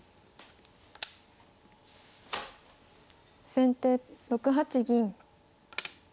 先手６八銀。